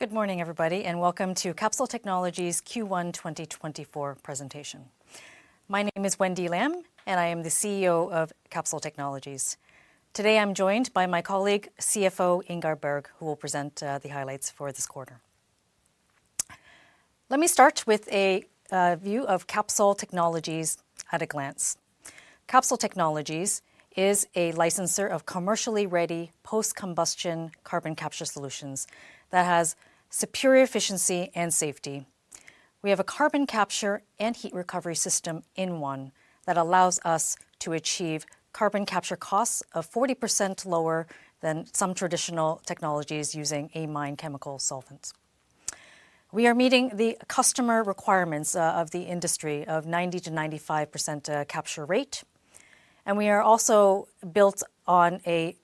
Good morning, everybody, and welcome to Capsol Technologies' Q1 2024 presentation. My name is Wendy Lam, and I am the CEO of Capsol Technologies. Today I'm joined by my colleague, CFO Ingar Bergh, who will present the highlights for this quarter. Let me start with a view of Capsol Technologies at a glance. Capsol Technologies is a licensor of commercially ready post-combustion carbon capture solutions that has superior efficiency and safety. We have a carbon capture and heat recovery system in one that allows us to achieve carbon capture costs of 40% lower than some traditional technologies using amine chemical solvents. We are meeting the customer requirements of the industry of 90%-95% capture rate, and we are also built on a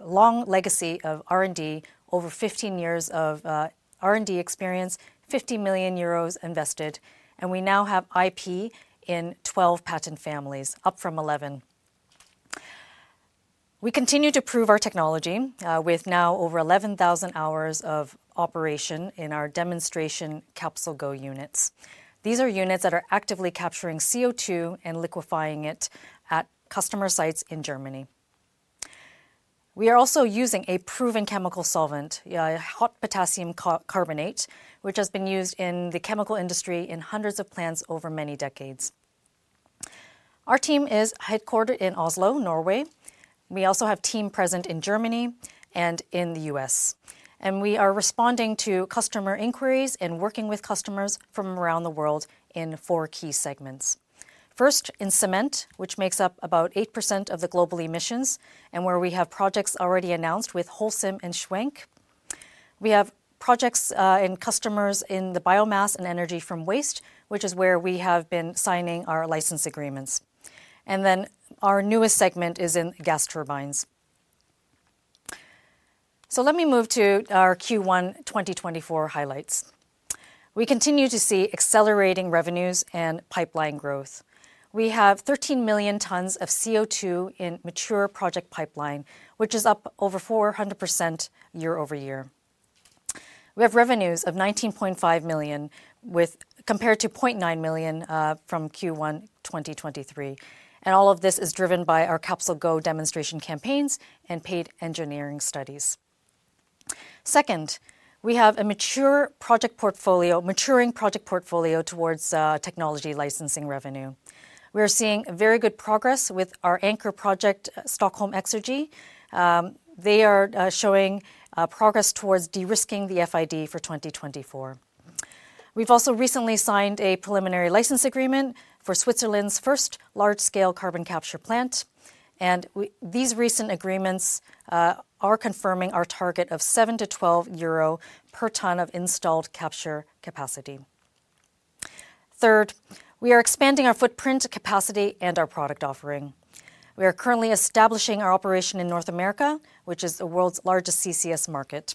long legacy of R&D, over 15 years of R&D experience, 50 million euros invested, and we now have IP in 12 patent families, up from 11. We continue to prove our technology with now over 11,000 hours of operation in our demonstration CapsolGo units. These are units that are actively capturing CO2 and liquefying it at customer sites in Germany. We are also using a proven chemical solvent, hot potassium carbonate, which has been used in the chemical industry in hundreds of plants over many decades. Our team is headquartered in Oslo, Norway. We also have a team present in Germany and in the U.S., and we are responding to customer inquiries and working with customers from around the world in four key segments. First, in cement, which makes up about 8% of the global emissions and where we have projects already announced with Holcim and Schwenk. We have projects and customers in the biomass and energy from waste, which is where we have been signing our license agreements. Then our newest segment is in gas turbines. Let me move to our Q1 2024 highlights. We continue to see accelerating revenues and pipeline growth. We have 13 million tons of CO2 in mature project pipeline, which is up over 400% year-over-year. We have revenues of 19.5 million compared to 0.9 million from Q1 2023, and all of this is driven by our CapsolGo demonstration campaigns and paid engineering studies. Second, we have a mature project portfolio, maturing project portfolio towards technology licensing revenue. We are seeing very good progress with our anchor project, Stockholm Exergi. They are showing progress towards de-risking the FID for 2024. We've also recently signed a preliminary license agreement for Switzerland's first large-scale carbon capture plant, and these recent agreements are confirming our target of 7-12 euro per ton of installed capture capacity. Third, we are expanding our footprint capacity and our product offering. We are currently establishing our operation in North America, which is the world's largest CCS market.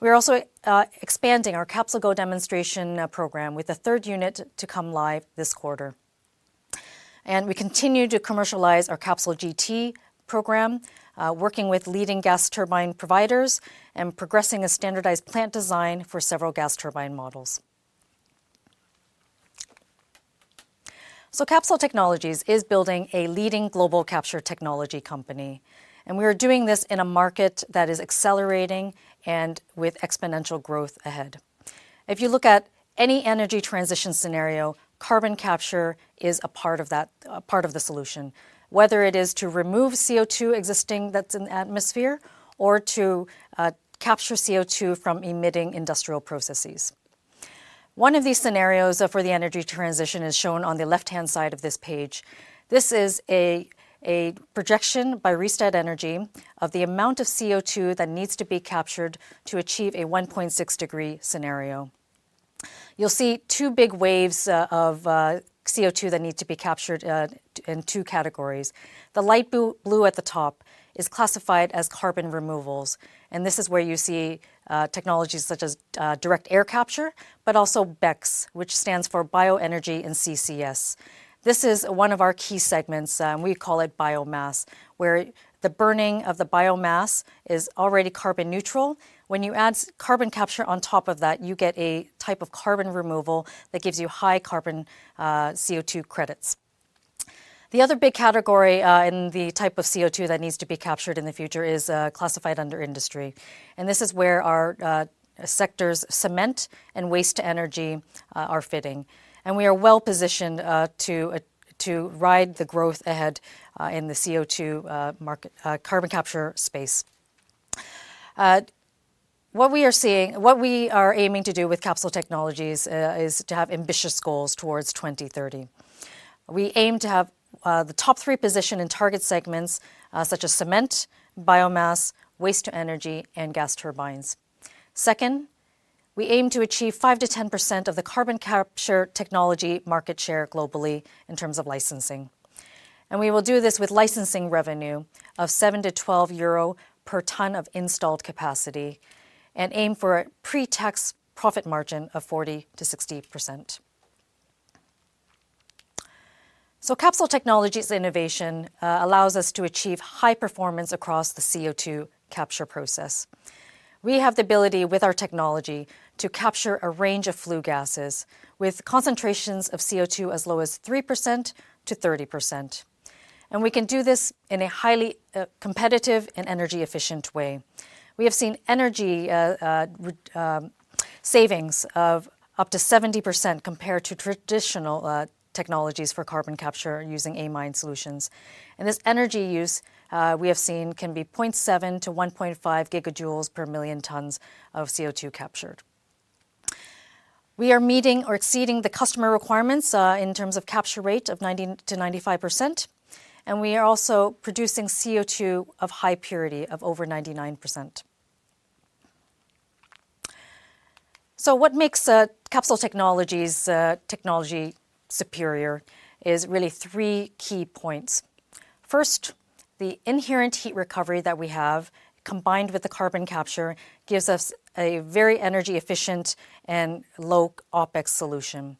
We are also expanding our CapsolGo demonstration program with a third unit to come live this quarter. And we continue to commercialize our CapsolGT program, working with leading gas turbine providers and progressing a standardized plant design for several gas turbine models. So Capsol Technologies is building a leading global capture technology company, and we are doing this in a market that is accelerating and with exponential growth ahead. If you look at any energy transition scenario, carbon capture is a part of that, part of the solution, whether it is to remove CO2 existing that's in the atmosphere or to capture CO2 from emitting industrial processes. One of these scenarios for the energy transition is shown on the left-hand side of this page. This is a projection by Rystad Energy of the amount of CO2 that needs to be captured to achieve a 1.6-degree scenario. You'll see two big waves of CO2 that need to be captured in two categories. The light blue at the top is classified as carbon removals, and this is where you see technologies such as direct air capture, but also BECCS, which stands for Bioenergy and CCS. This is one of our key segments, and we call it biomass, where the burning of the biomass is already carbon neutral. When you add carbon capture on top of that, you get a type of carbon removal that gives you high carbon CO2 credits. The other big category in the type of CO2 that needs to be captured in the future is classified under industry, and this is where our sectors, cement and waste to energy, are fitting. We are well positioned to ride the growth ahead in the CO2 market, carbon capture space. What we are seeing, what we are aiming to do with Capsol Technologies is to have ambitious goals towards 2030. We aim to have the top three position in target segments such as cement, biomass, waste to energy, and gas turbines. Second, we aim to achieve 5%-10% of the carbon capture technology market share globally in terms of licensing. And we will do this with licensing revenue of 7-12 euro per ton of installed capacity and aim for a pre-tax profit margin of 40%-60%. Capsol Technologies' innovation allows us to achieve high performance across the CO2 capture process. We have the ability, with our technology, to capture a range of flue gases with concentrations of CO2 as low as 3%-30%. We can do this in a highly competitive and energy-efficient way. We have seen energy savings of up to 70% compared to traditional technologies for carbon capture using amine solutions. This energy use we have seen can be 0.7-1.5 gigajoules per million tons of CO2 captured. We are meeting or exceeding the customer requirements in terms of capture rate of 90%-95%, and we are also producing CO2 of high purity of over 99%. What makes Capsol Technologies' technology superior is really three key points. First, the inherent heat recovery that we have, combined with the carbon capture, gives us a very energy-efficient and low OPEX solution.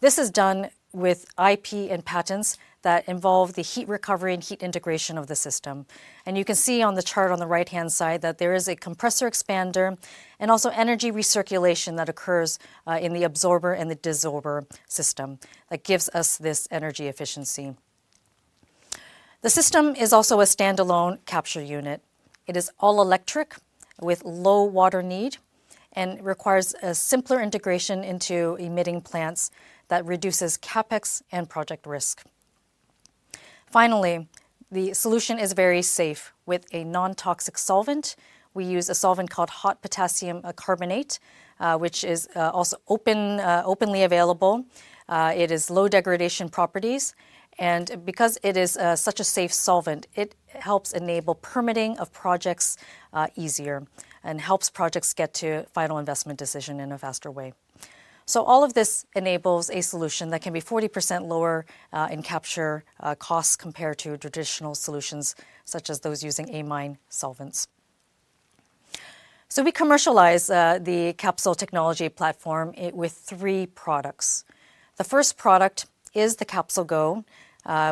This is done with IP and patents that involve the heat recovery and heat integration of the system. You can see on the chart on the right-hand side that there is a compressor expander and also energy recirculation that occurs in the absorber and the desorber system that gives us this energy efficiency. The system is also a standalone capture unit. It is all electric with low water need and requires a simpler integration into emitting plants that reduces CAPEX and project risk. Finally, the solution is very safe with a non-toxic solvent. We use a solvent called hot potassium carbonate, which is also openly available. It has low degradation properties, and because it is such a safe solvent, it helps enable permitting of projects easier and helps projects get to final investment decision in a faster way. So all of this enables a solution that can be 40% lower in capture costs compared to traditional solutions such as those using amine solvents. So we commercialize the Capsol Technology platform with three products. The first product is the CapsolGo,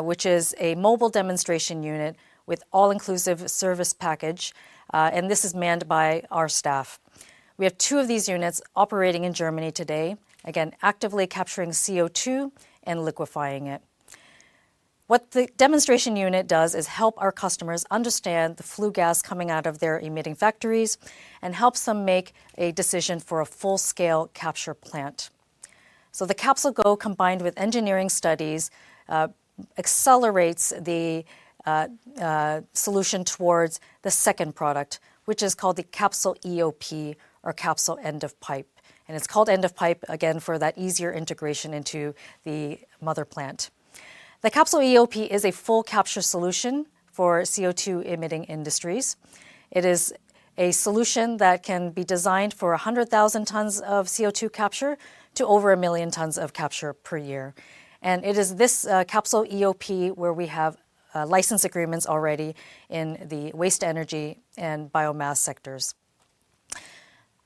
which is a mobile demonstration unit with all-inclusive service package, and this is manned by our staff. We have two of these units operating in Germany today, again, actively capturing CO2 and liquefying it. What the demonstration unit does is help our customers understand the flue gas coming out of their emitting factories and helps them make a decision for a full-scale capture plant. So the CapsolGo, combined with engineering studies, accelerates the solution towards the second product, which is called the CapsolEoP or Capsol End of Pipe, and it's called End of Pipe, again, for that easier integration into the mother plant. The CapsolEoP is a full capture solution for CO2-emitting industries. It is a solution that can be designed for 100,000 tons of CO2 capture to over 1,000,000 tons of capture per year. It is this CapsolEoP where we have license agreements already in the waste-to-energy and biomass sectors.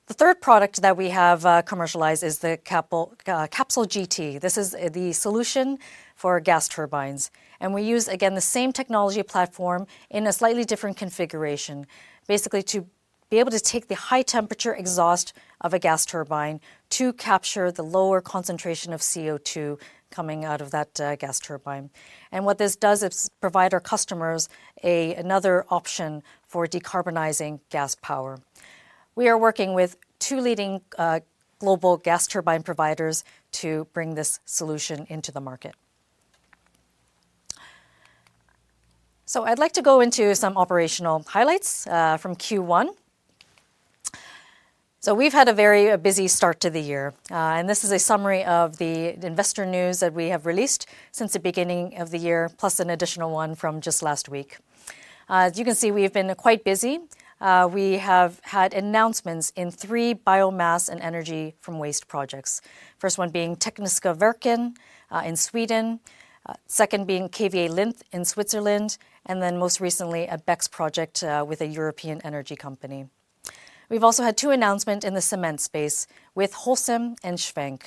The third product that we have commercialized is the CapsolGT. This is the solution for gas turbines, and we use, again, the same technology platform in a slightly different configuration, basically to be able to take the high-temperature exhaust of a gas turbine to capture the lower concentration of CO2 coming out of that gas turbine. What this does is provide our customers another option for decarbonizing gas power. We are working with two leading global gas turbine providers to bring this solution into the market. I'd like to go into some operational highlights from Q1. We've had a very busy start to the year, and this is a summary of the investor news that we have released since the beginning of the year, plus an additional one from just last week. As you can see, we've been quite busy. We have had announcements in three biomass and energy from waste projects, first one being Tekniska verken in Sweden, second being KVA Linth in Switzerland, and then most recently a BECCS project with a European energy company. We've also had two announcements in the cement space with Holcim and Schwenk.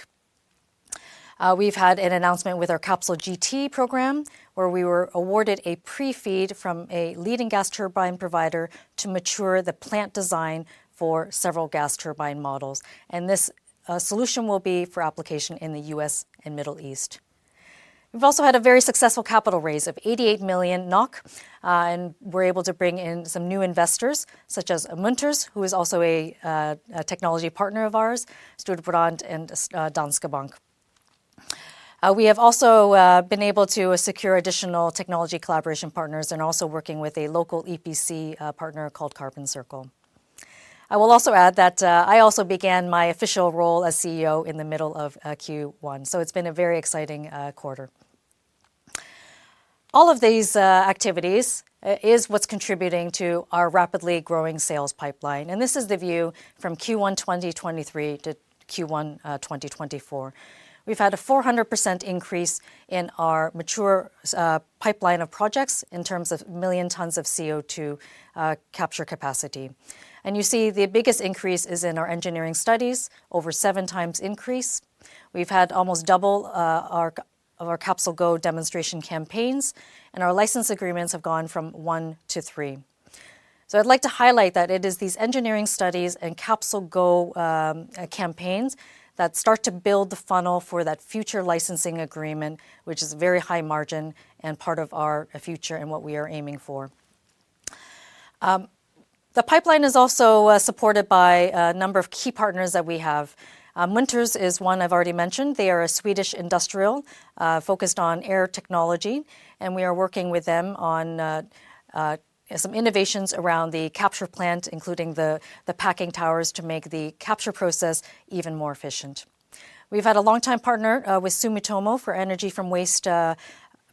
We've had an announcement with our CapsolGT program where we were awarded a pre-FEED from a leading gas turbine provider to mature the plant design for several gas turbine models, and this solution will be for application in the U.S. and Middle East. We've also had a very successful capital raise of 88 million NOK, and we're able to bring in some new investors such as Munters, who is also a technology partner of ours, Storebrand and Danske Bank. We have also been able to secure additional technology collaboration partners and also working with a local EPC partner called Carbon Circle. I will also add that I also began my official role as CEO in the middle of Q1, so it's been a very exciting quarter. All of these activities are what's contributing to our rapidly growing sales pipeline, and this is the view from Q1 2023 to Q1 2024. We've had a 400% increase in our mature pipeline of projects in terms of million tons of CO2 capture capacity. You see the biggest increase is in our engineering studies, over 7 times increase. We've had almost double of our CapsolGo demonstration campaigns, and our license agreements have gone from 1 to 3. So I'd like to highlight that it is these engineering studies and CapsolGo campaigns that start to build the funnel for that future licensing agreement, which is very high margin and part of our future and what we are aiming for. The pipeline is also supported by a number of key partners that we have. Munters is one I've already mentioned. They are a Swedish industrial focused on air technology, and we are working with them on some innovations around the capture plant, including the packing towers to make the capture process even more efficient. We've had a longtime partner with Sumitomo for energy from waste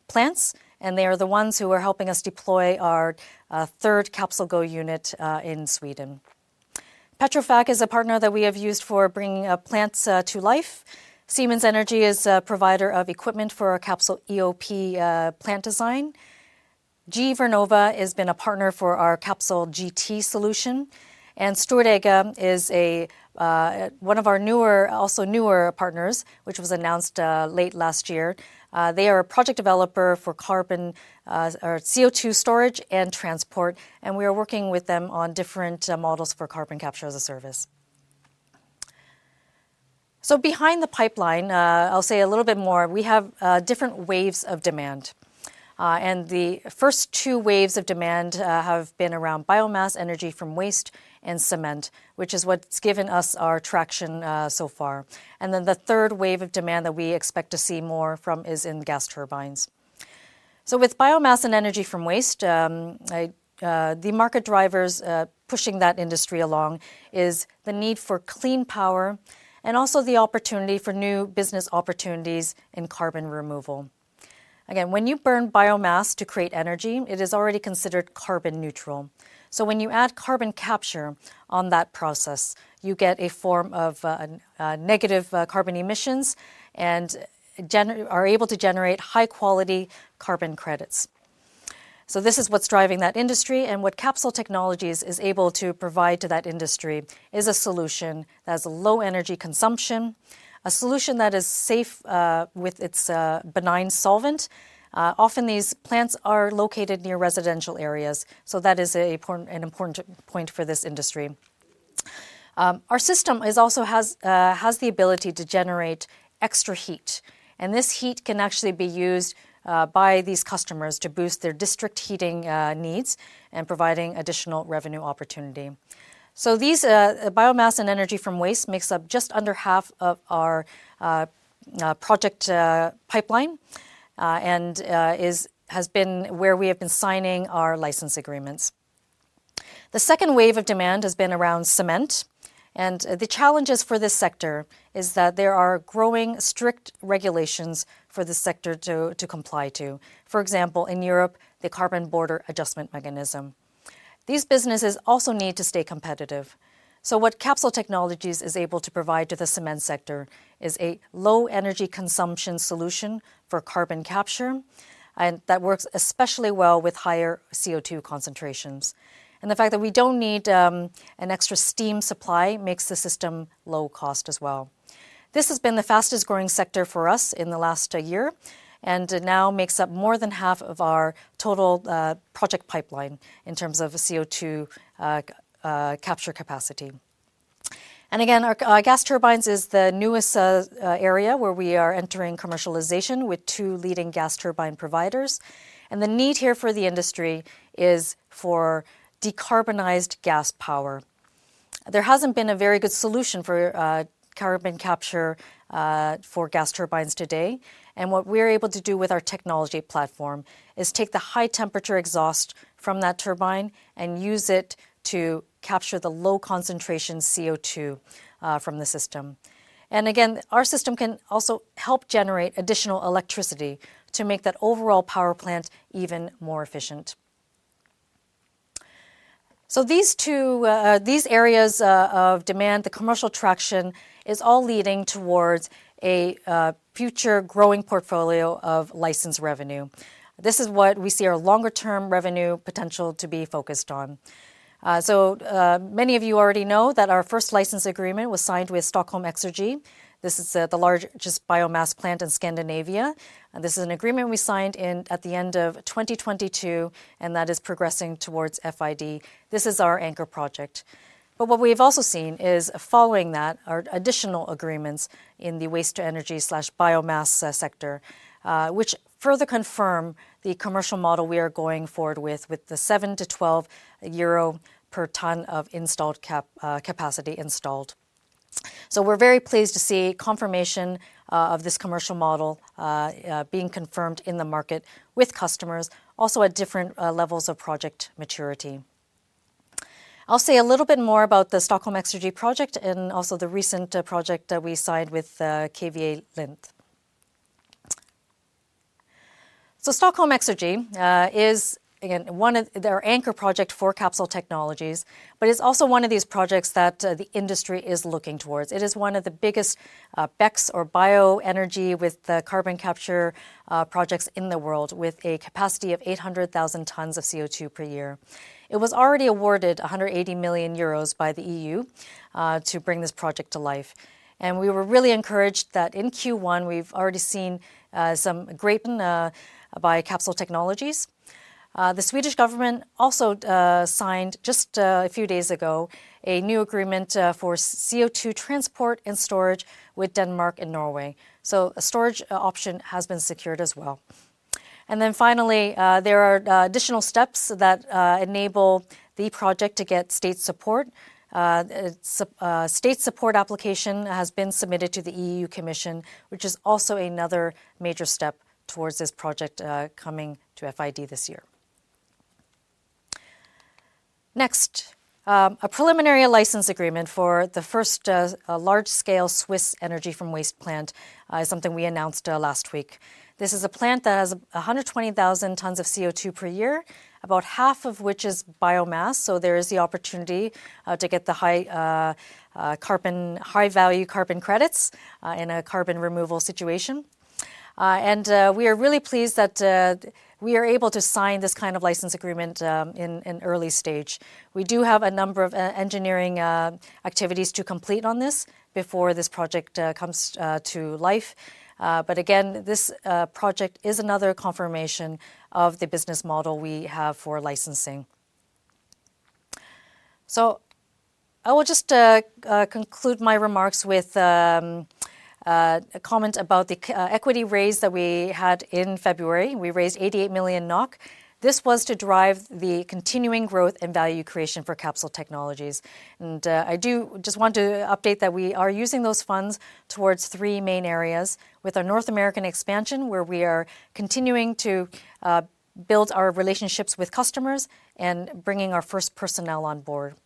plants, and they are the ones who are helping us deploy our third CapsolGo unit in Sweden. Petrofac is a partner that we have used for bringing plants to life. Siemens Energy is a provider of equipment for our CapsolEoP plant design. GE Vernova has been a partner for our CapsolGT solution, and Storegga is one of our newer, also newer partners, which was announced late last year. They are a project developer for carbon or CO2 storage and transport, and we are working with them on different models for carbon capture as a service. So behind the pipeline, I'll say a little bit more. We have different waves of demand, and the first two waves of demand have been around biomass, energy from waste, and cement, which is what's given us our traction so far. Then the third wave of demand that we expect to see more from is in gas turbines. So with biomass and energy from waste, the market drivers pushing that industry along is the need for clean power and also the opportunity for new business opportunities in carbon removal. Again, when you burn biomass to create energy, it is already considered carbon neutral. So when you add carbon capture on that process, you get a form of negative carbon emissions and are able to generate high-quality carbon credits. So this is what's driving that industry, and what Capsol Technologies is able to provide to that industry is a solution that has a low energy consumption, a solution that is safe with its benign solvent. Often, these plants are located near residential areas, so that is an important point for this industry. Our system also has the ability to generate extra heat, and this heat can actually be used by these customers to boost their district heating needs and providing additional revenue opportunity. So these biomass and energy from waste makes up just under half of our project pipeline and has been where we have been signing our license agreements. The second wave of demand has been around cement, and the challenges for this sector are that there are growing strict regulations for this sector to comply to. For example, in Europe, the Carbon Border Adjustment Mechanism. These businesses also need to stay competitive. So what Capsol Technologies is able to provide to the cement sector is a low-energy consumption solution for carbon capture, and that works especially well with higher CO2 concentrations. And the fact that we don't need an extra steam supply makes the system low-cost as well. This has been the fastest-growing sector for us in the last year, and now makes up more than half of our total project pipeline in terms of CO2 capture capacity. And again, our gas turbines are the newest area where we are entering commercialization with two leading gas turbine providers, and the need here for the industry is for decarbonized gas power. There hasn't been a very good solution for carbon capture for gas turbines today, and what we are able to do with our technology platform is take the high-temperature exhaust from that turbine and use it to capture the low-concentration CO2 from the system. And again, our system can also help generate additional electricity to make that overall power plant even more efficient. So these areas of demand, the commercial traction, are all leading towards a future growing portfolio of license revenue. This is what we see our longer-term revenue potential to be focused on. So many of you already know that our first license agreement was signed with Stockholm Exergi. This is the largest biomass plant in Scandinavia, and this is an agreement we signed at the end of 2022, and that is progressing towards FID. This is our anchor project. But what we have also seen is following that are additional agreements in the waste-to-energy/biomass sector, which further confirm the commercial model we are going forward with, with the 7-12 euro per ton of installed capacity installed. So we're very pleased to see confirmation of this commercial model being confirmed in the market with customers, also at different levels of project maturity. I'll say a little bit more about the Stockholm Exergi project and also the recent project that we signed with KVA Linth. So Stockholm Exergi is, again, one of our anchor projects for Capsol Technologies, but it's also one of these projects that the industry is looking towards. It is one of the biggest BECCS or bioenergy with carbon capture projects in the world, with a capacity of 800,000 tons of CO2 per year. It was already awarded 180 million euros by the EU to bring this project to life, and we were really encouraged that in Q1 we've already seen some great. By Capsol Technologies. The Swedish government also signed just a few days ago a new agreement for CO2 transport and storage with Denmark and Norway, so a storage option has been secured as well. And then finally, there are additional steps that enable the project to get state support. State support application has been submitted to the EU Commission, which is also another major step towards this project coming to FID this year. Next, a preliminary license agreement for the first large-scale Swiss energy from waste plant is something we announced last week. This is a plant that has 120,000 tons of CO2 per year, about half of which is biomass, so there is the opportunity to get the high-value carbon credits in a carbon removal situation. And we are really pleased that we are able to sign this kind of license agreement in an early stage. We do have a number of engineering activities to complete on this before this project comes to life, but again, this project is another confirmation of the business model we have for licensing. So I will just conclude my remarks with a comment about the equity raise that we had in February. We raised 88 million NOK. This was to drive the continuing growth and value creation for Capsol Technologies, and I do just want to update that we are using those funds towards three main areas, with our North American expansion where we are continuing to build our relationships with customers and bringing our first personnel on board.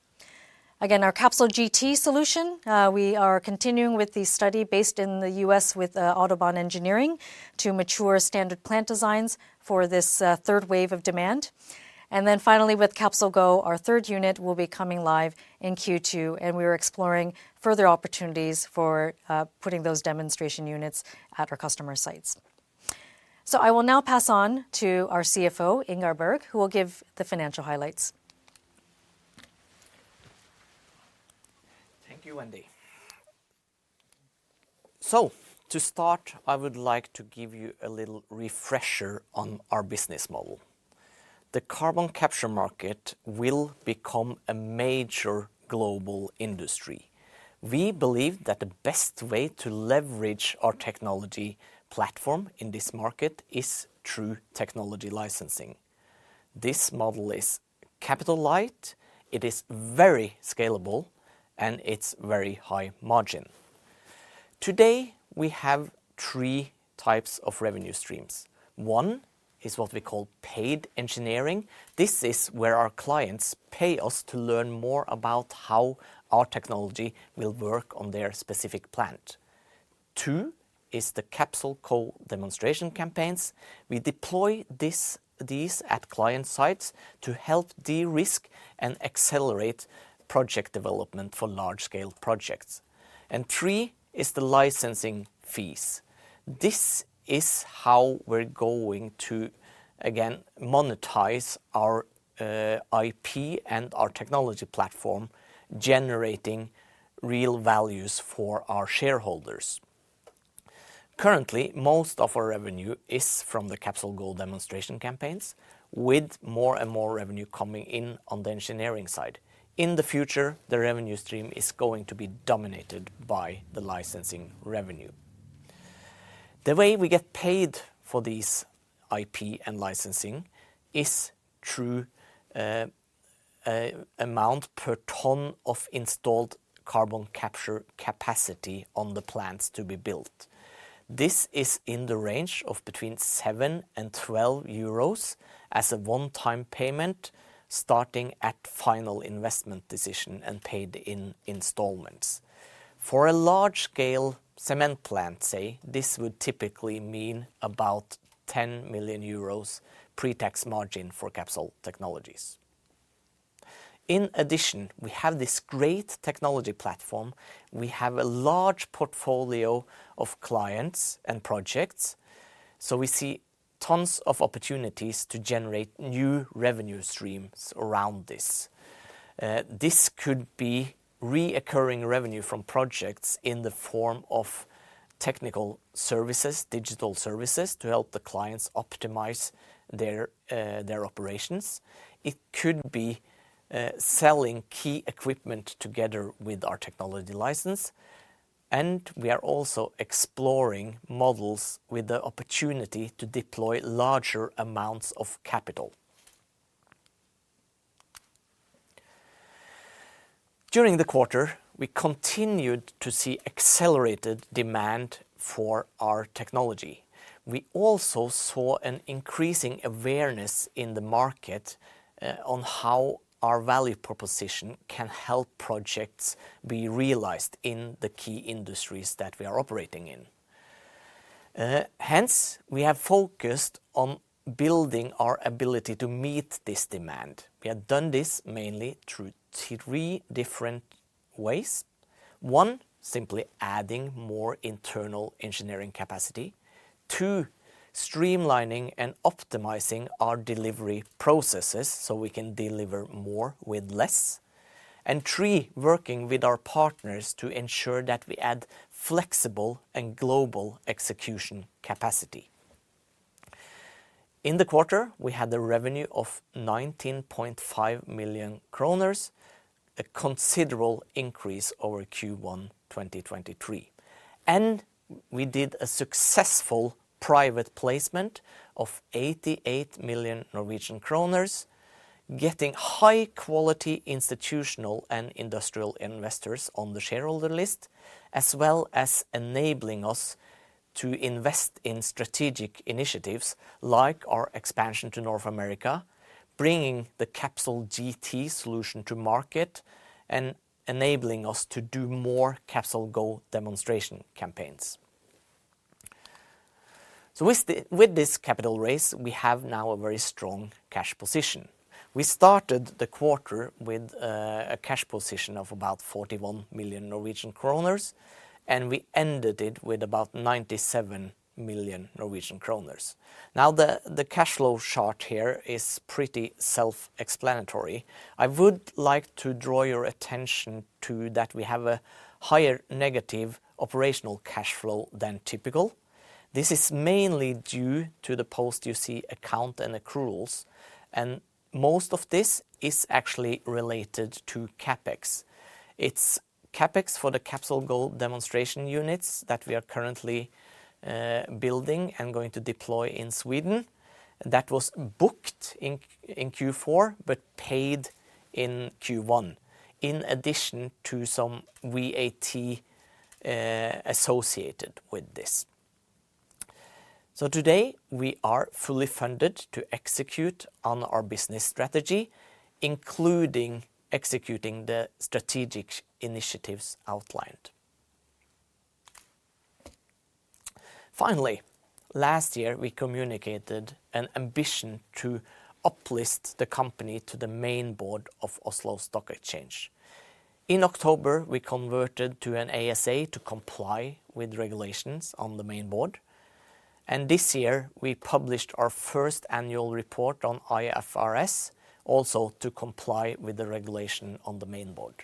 Again, our CapsolGT solution, we are continuing with the study based in the U.S. with Audubon Engineering to mature standard plant designs for this third wave of demand. And then finally, with CapsolGo, our third unit will be coming live in Q2, and we are exploring further opportunities for putting those demonstration units at our customer sites. So I will now pass on to our CFO, Ingar Bergh, who will give the financial highlights. Thank you, Wendy. So to start, I would like to give you a little refresher on our business model. The carbon capture market will become a major global industry. We believe that the best way to leverage our technology platform in this market is through technology licensing. This model is capital-light, it is very scalable, and it's very high-margin. Today, we have three types of revenue streams. One is what we call paid engineering. This is where our clients pay us to learn more about how our technology will work on their specific plant. Two is the CapsolGo demonstration campaigns. We deploy these at client sites to help de-risk and accelerate project development for large-scale projects. And three is the licensing fees. This is how we're going to, again, monetize our IP and our technology platform, generating real values for our shareholders. Currently, most of our revenue is from the CapsolGo demonstration campaigns, with more and more revenue coming in on the engineering side. In the future, the revenue stream is going to be dominated by the licensing revenue. The way we get paid for these IP and licensing is through amount per ton of installed carbon capture capacity on the plants to be built. This is in the range of between 7-12 euros as a one-time payment starting at final investment decision and paid in installments. For a large-scale cement plant, say, this would typically mean about 10 million euros pre-tax margin for Capsol Technologies. In addition, we have this great technology platform. We have a large portfolio of clients and projects, so we see tons of opportunities to generate new revenue streams around this. This could be recurring revenue from projects in the form of technical services, digital services, to help the clients optimize their operations. It could be selling key equipment together with our technology license, and we are also exploring models with the opportunity to deploy larger amounts of capital. During the quarter, we continued to see accelerated demand for our technology. We also saw an increasing awareness in the market on how our value proposition can help projects be realized in the key industries that we are operating in. Hence, we have focused on building our ability to meet this demand. We have done this mainly through three different ways. One, simply adding more internal engineering capacity. Two, streamlining and optimizing our delivery processes so we can deliver more with less. And three, working with our partners to ensure that we add flexible and global execution capacity. In the quarter, we had a revenue of 19.5 million kroner, a considerable increase over Q1 2023. We did a successful private placement of 88 million Norwegian kroner, getting high-quality institutional and industrial investors on the shareholder list, as well as enabling us to invest in strategic initiatives like our expansion to North America, bringing the CapsolGT solution to market, and enabling us to do more CapsolGo demonstration campaigns. With this capital raise, we have now a very strong cash position. We started the quarter with a cash position of about 41 million Norwegian kroner, and we ended it with about 97 million Norwegian kroner. Now, the cash flow chart here is pretty self-explanatory. I would like to draw your attention to that we have a higher negative operational cash flow than typical. This is mainly due to the post-IFRS account and accruals, and most of this is actually related to CAPEX. It's CAPEX for the CapsolGo demonstration units that we are currently building and going to deploy in Sweden. That was booked in Q4 but paid in Q1, in addition to some VAT associated with this. So today, we are fully funded to execute on our business strategy, including executing the strategic initiatives outlined. Finally, last year, we communicated an ambition to uplist the company to the main board of Oslo Stock Exchange. In October, we converted to an ASA to comply with regulations on the main board, and this year, we published our first annual report on IFRS, also to comply with the regulation on the main board.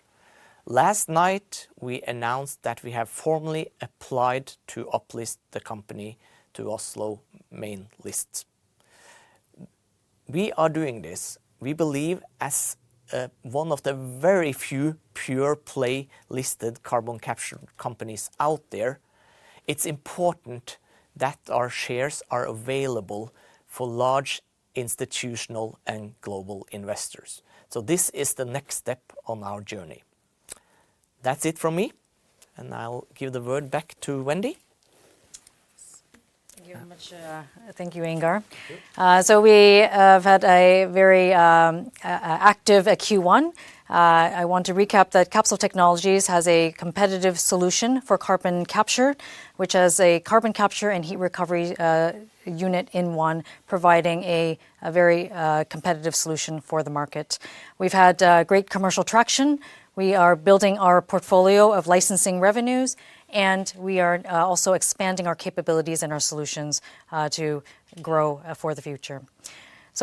Last night, we announced that we have formally applied to uplist the company to Oslo Main List. We are doing this. We believe, as one of the very few pure-play listed carbon capture companies out there, it's important that our shares are available for large institutional and global investors. So this is the next step on our journey. That's it from me, and I'll give the word back to Wendy. Thank you very much. Thank you, Ingar. We have had a very active Q1. I want to recap that Capsol Technologies has a competitive solution for carbon capture, which has a carbon capture and heat recovery unit in one, providing a very competitive solution for the market. We've had great commercial traction. We are building our portfolio of licensing revenues, and we are also expanding our capabilities and our solutions to grow for the future.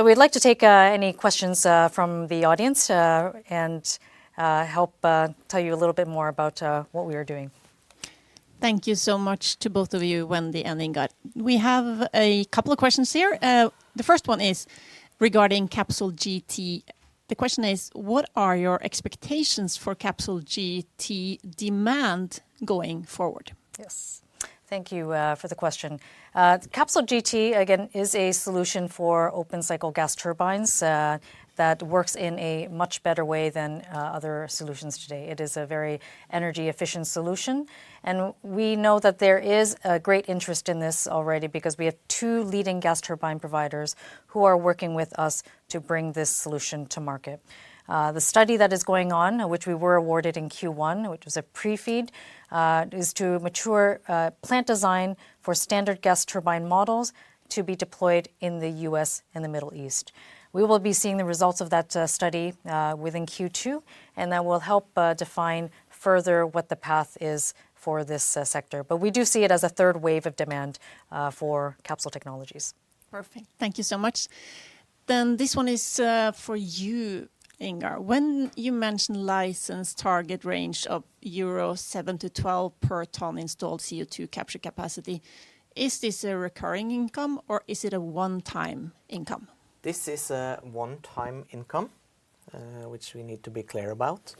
We'd like to take any questions from the audience and help tell you a little bit more about what we are doing. Thank you so much to both of you, Wendy and Ingar. We have a couple of questions here. The first one is regarding CapsolGT. The question is, what are your expectations for CapsolGT demand going forward? Yes. Thank you for the question. CapsolGT, again, is a solution for open-cycle gas turbines that works in a much better way than other solutions today. It is a very energy-efficient solution, and we know that there is a great interest in this already because we have two leading gas turbine providers who are working with us to bring this solution to market. The study that is going on, which we were awarded in Q1, which was a pre-FEED, is to mature plant design for standard gas turbine models to be deployed in the U.S. and the Middle East. We will be seeing the results of that study within Q2, and that will help define further what the path is for this sector. But we do see it as a third wave of demand for Capsol Technologies. Perfect. Thank you so much. Then this one is for you, Ingar. When you mentioned license target range of euro 7-12 per ton installed CO2 capture capacity, is this a recurring income, or is it a one-time income? This is a one-time income, which we need to be clear about.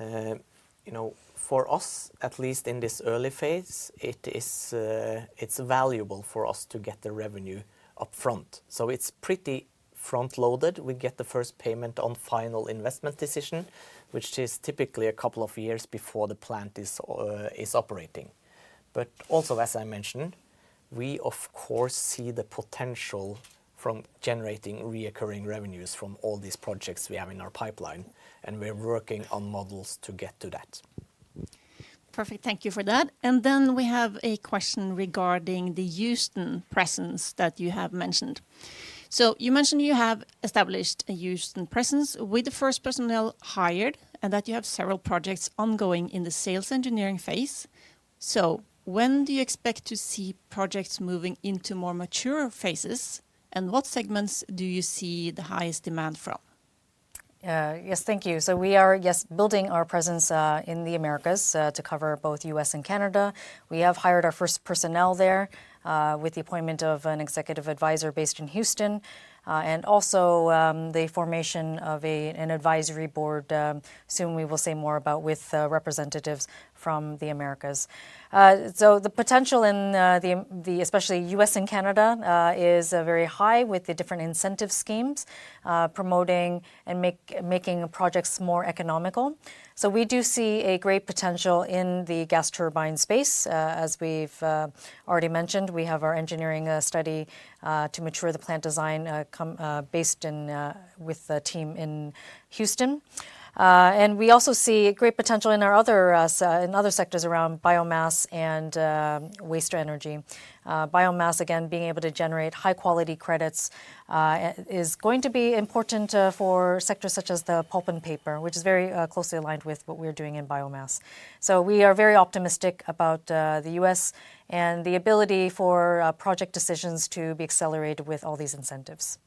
You know, for us, at least in this early phase, it is valuable for us to get the revenue up front. So it's pretty front-loaded. We get the first payment on final investment decision, which is typically a couple of years before the plant is operating. But also, as I mentioned, we, of course, see the potential from generating recurring revenues from all these projects we have in our pipeline, and we're working on models to get to that. Perfect. Thank you for that. And then we have a question regarding the Houston presence that you have mentioned. So you mentioned you have established a Houston presence with the first personnel hired and that you have several projects ongoing in the sales engineering phase. So when do you expect to see projects moving into more mature phases, and what segments do you see the highest demand from? Yes, thank you. So we are, yes, building our presence in the Americas to cover both U.S. and Canada. We have hired our first personnel there with the appointment of an executive advisor based in Houston and also the formation of an advisory board soon we will say more about with representatives from the Americas. So the potential in the, especially U.S. and Canada is very high with the different incentive schemes promoting and making projects more economical. So we do see a great potential in the gas turbine space. As we've already mentioned, we have our engineering study to mature the plant design based in with the team in Houston. And we also see great potential in our other sectors around biomass and waste energy. Biomass, again, being able to generate high-quality credits is going to be important for sectors such as the pulp and paper, which is very closely aligned with what we are doing in biomass. So we are very optimistic about the U.S. and the ability for project decisions to be accelerated with all these incentives.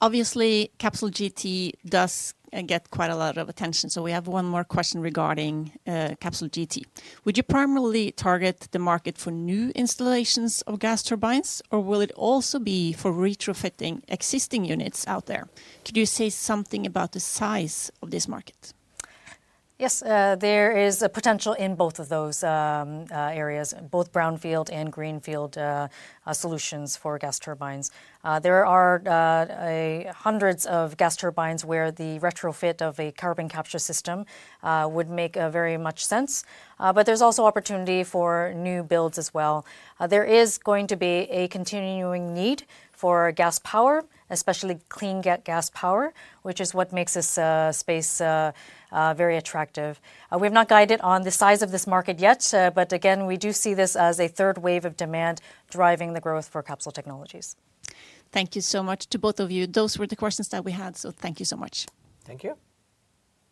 Obviously, CapsolGT does get quite a lot of attention. So we have one more question regarding CapsolGT. Would you primarily target the market for new installations of gas turbines, or will it also be for retrofitting existing units out there? Could you say something about the size of this market? Yes, there is a potential in both of those areas, both brownfield and greenfield solutions for gas turbines. There are hundreds of gas turbines where the retrofit of a carbon capture system would make very much sense, but there's also opportunity for new builds as well. There is going to be a continuing need for gas power, especially clean gas power, which is what makes this space very attractive. We have not guided on the size of this market yet, but again, we do see this as a third wave of demand driving the growth for Capsol Technologies. Thank you so much to both of you. Those were the questions that we had, so thank you so much. Thank you.